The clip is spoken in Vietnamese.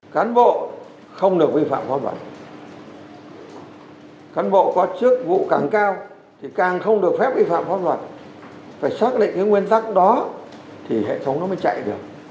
cán bộ không được vi phạm pháp luật cán bộ có chức vụ càng cao thì càng không được phép vi phạm pháp luật phải xác định cái nguyên tắc đó thì hệ thống nó mới chạy được